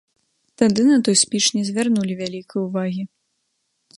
Тады на той спіч не звярнулі вялікай увагі.